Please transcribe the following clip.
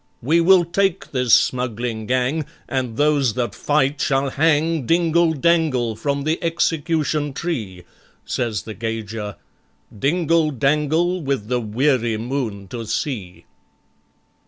We will take this smuggling gang, And those that fight shall hang Dingle dangle from the execution tree, Says the Gauger: Dingle dangle with the weary moon to see.